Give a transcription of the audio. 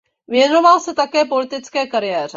Věnoval se také politické kariéře.